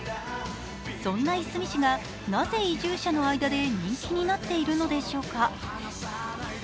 そんないすみ市がなぜ移住者の間で人気になっているのでしょうか。